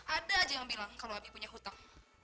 ada aja yang bilang kalau abi punya hutang